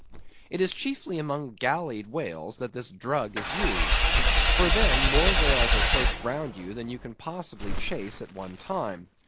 It is chiefly among gallied whales that this drugg is used. For then, more whales are close round you than you can possibly chase at one time.